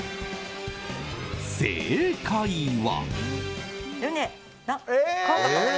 正解は。